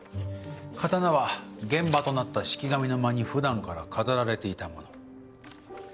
刀は現場となった四鬼神の間に普段から飾られていたもの。